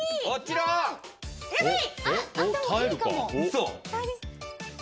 やばい！